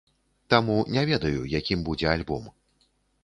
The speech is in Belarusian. Таму не ведаю, якім будзе альбом.